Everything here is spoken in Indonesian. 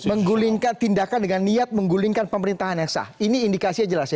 menggulingkan tindakan dengan niat menggulingkan pemerintahan yang sah ini indikasinya jelas ya